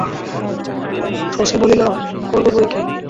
শশী বলিল, করব বইকি।